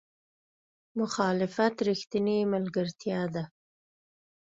مخالفت رښتینې ملګرتیا ده.